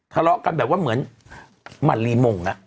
ทะเลาะกันเหมือนมารีมงค์น่ะ